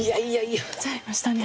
間違えちゃいましたね。